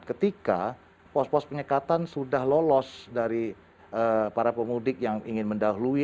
ketika pos pos penyekatan sudah lolos dari para pemudik yang ingin mendahului